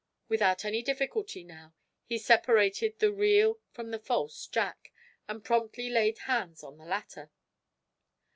Without any difficulty, now, he separated the real from the false Jack, and promptly laid hands on the latter.